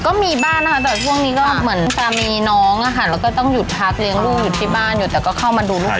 ก็มีบ้านนะคะแต่วันนี้ตามีน้องเราก็อยู่ทักเลี้ยงรู้อยู่ที่บ้านอยู่แต่ก็เข้ามาดูเรื่องน้อง